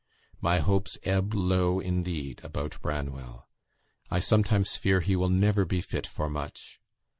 My hopes ebb low indeed about Branwell. I sometimes fear he will never be fit for much.